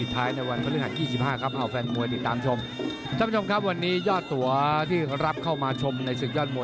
ตอนนี้ก็ค่ายมวยกำลังแรงโอ้โห